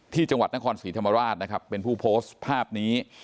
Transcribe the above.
ที่จังหวัดนครศรีธรรมราชนะครับเป็นผู้โพสต์ภาพนี้